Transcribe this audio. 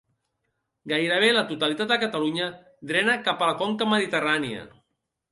Gairebé la totalitat de Catalunya drena capa a la conca mediterrània.